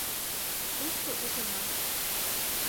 Тушто ужына.